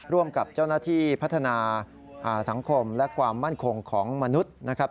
ร่วมกับเจ้าหน้าที่พัฒนาสังคมและความมั่นคงของมนุษย์นะครับ